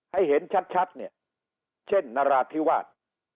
ให้เห็นชัดเนี่ยเช่นนราธิวาส